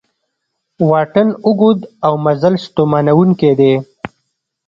واټن اوږد او مزل ستومانوونکی دی